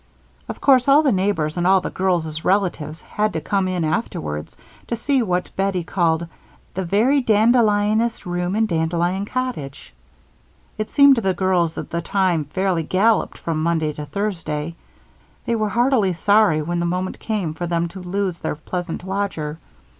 Of course all the neighbors and all the girls' relatives had to come in afterwards to see what Bettie called "the very dandelioniest room in Dandelion Cottage." It seemed to the girls that the time fairly galloped from Monday to Thursday. They were heartily sorry when the moment came for them to lose their pleasant lodger.